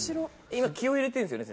今気を入れてるんですよね？